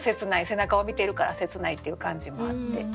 背中を見てるから切ないっていう感じもあって。